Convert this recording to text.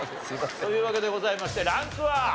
というわけでございましてランクは？